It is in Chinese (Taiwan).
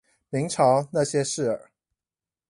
明朝那些事兒